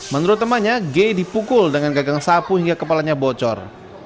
menurut temannya g dipukul dengan gagang sapu hingga kepalanya bocor